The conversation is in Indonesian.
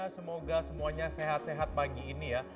semoga semuanya sehat sehat pagi ini ya